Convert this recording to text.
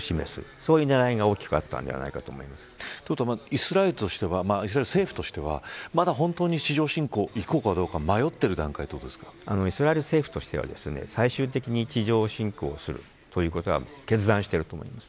そういう狙いが大きくあったのではないかとイスラエル政府としてはまだ本当に地上侵攻いくかどうか迷っている段階イスラエル政府としては最終的に地上侵攻するということは決断していると思います。